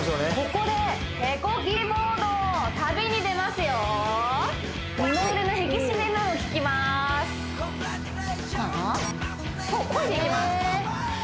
ここで手漕ぎボート旅に出ますよ二の腕の引き締めにも効きます漕いでいきます